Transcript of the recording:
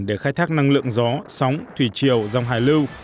để khai thác năng lượng gió sóng thủy triều dòng hải lưu